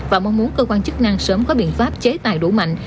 và mong muốn cơ quan chức năng sớm có biện pháp chế tài đủ mạnh